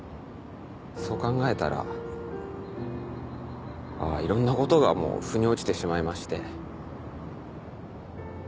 そう考えたらあぁいろんなことがもうふに落ちてしまいまして。